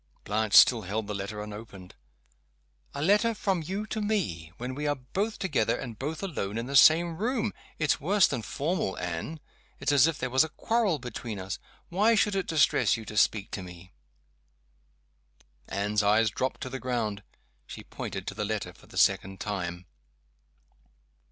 Blanche still held the letter, unopened. "A letter from you to me! when we are both together, and both alone in the same room! It's worse than formal, Anne! It's as if there was a quarrel between us. Why should it distress you to speak to me?" Anne's eyes dropped to the ground. She pointed to the letter for the second time.